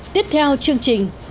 tiếp theo chương trình